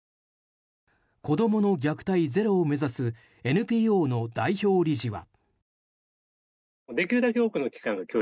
子供の虐待ゼロを目指すＮＰＯの代表理事は。